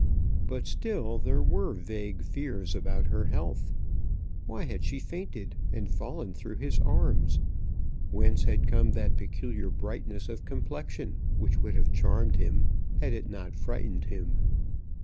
But still there were vague fears about her health. Why had she fainted and fallen through his arms? Whence had come that peculiar brightness of complexion which would have charmed him had it not frightened him?